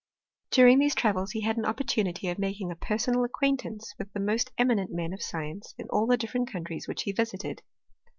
During these travels he had an opportunity of making a personal acquaintance with the most emihent men of science in all the different countries which he visited.